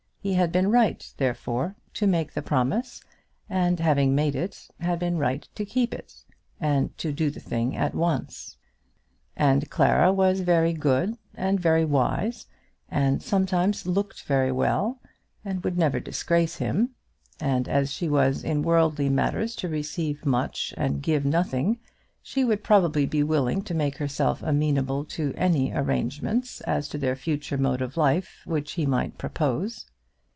He had been right therefore to make the promise, and having made it, had been right to keep it, and to do the thing at once. And Clara was very good and very wise, and sometimes looked very well, and would never disgrace him; and as she was in worldly matters to receive much and give nothing, she would probably be willing to make herself amenable to any arrangements as to their future mode of life which he might propose.